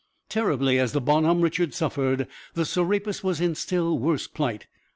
Terribly as the Bon Homme Richard suffered, the Serapis was in still worse plight.